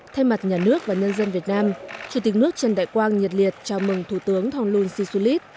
thay mặt nhà nước và nhân dân việt nam chủ tịch nước trần đại quang nhiệt liệt chào mừng thủ tướng thonglun sisulit